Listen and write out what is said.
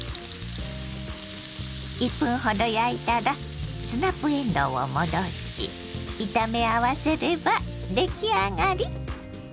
１分ほど焼いたらスナップえんどうを戻し炒め合わせれば出来上がり。